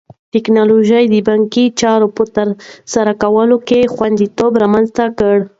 ټیکنالوژي د بانکي چارو په ترسره کولو کې خوندیتوب رامنځته کړی.